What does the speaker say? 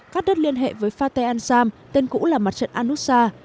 cắt đứt liên hệ với fateh ansam tên cũ là mặt trận al nusra